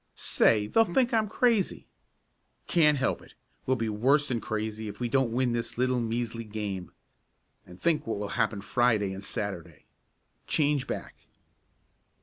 "Say, they'll think I'm crazy." "Can't help it. We'll be worse than crazy if we don't win this little measly game. And think what will happen Friday and Saturday. Change back."